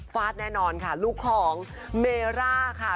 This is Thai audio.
ฟาดแน่นอนค่ะลูกของเมร่าค่ะ